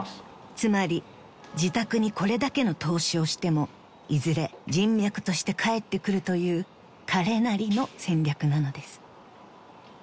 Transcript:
［つまり自宅にこれだけの投資をしてもいずれ人脈として返ってくるという彼なりの戦略なのです］